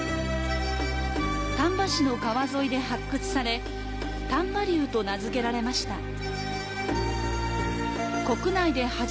丹波市の川沿いで発掘され、丹波竜と名付けられました。